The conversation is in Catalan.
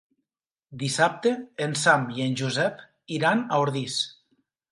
Dissabte en Sam i en Josep iran a Ordis.